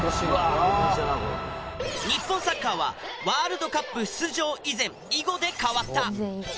日本サッカーはワールドカップ出場以前以後で変わった！